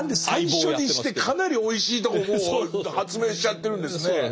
最初にしてかなりおいしいとこもう発明しちゃってるんですね。